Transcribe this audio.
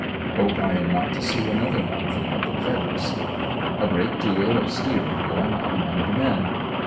Hope I am not to see another month in the Con federacy. A great deal of stealinj,^ going on among the men.